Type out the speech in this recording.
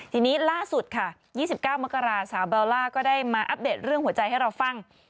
ทีนี้ล่าสุดค่ะ๒๙มกราสาวเบลล่าก็ได้มาอัปเดตเรื่องหัวใจให้เราฟัง